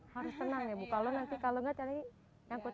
harus tenang ya bu kalau nanti kalau nggak tadi nyangkut